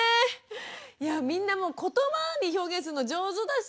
いやみんなもう言葉に表現するの上手だし。